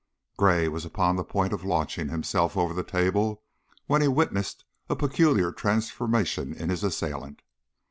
Gray was upon the point of launching himself over the table when he witnessed a peculiar transformation in his assailant.